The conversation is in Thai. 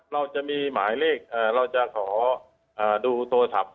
เราจะมีหมายเลขเราจะขอดูโทรศัพท์